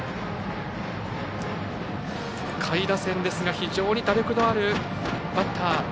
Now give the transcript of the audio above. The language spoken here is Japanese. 下位打線ですが非常に打力のあるバッター。